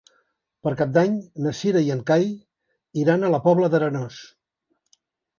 Per Cap d'Any na Cira i en Cai iran a la Pobla d'Arenós.